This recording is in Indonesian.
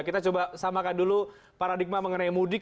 kita coba samakan dulu paradigma mengenai mudik